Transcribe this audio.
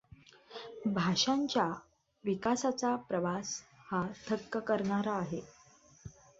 भाषांच्या विकासाचा प्रवास हा थक्क करणारा आहे.